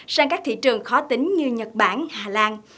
sang các thị trường khó tính như nhật bản hà lan